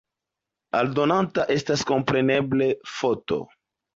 Aldonata estas, kompreneble, foto.